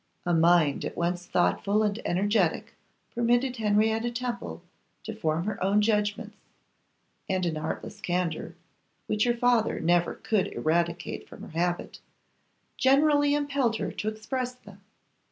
A mind at once thoughtful and energetic permitted Henrietta Temple to form her own judgments; and an artless candour, which her father never could eradicate from her habit, generally impelled her to express them.